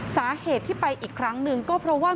สาเหตุที่ไปอีกครั้งหนึ่งก็เพราะว่า